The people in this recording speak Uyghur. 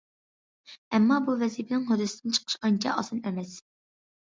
ئەمما بۇ ۋەزىپىنىڭ ھۆددىسىدىن چىقىش ئانچە ئاسان ئەمەس.